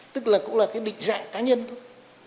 tức là cũng là cái định dạng cá nhân thôi